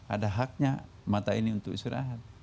ada haknya mata ini untuk istirahat